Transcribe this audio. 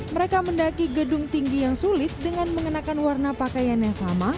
mereka mendaki gedung tinggi yang sulit dengan mengenakan warna pakaian yang sama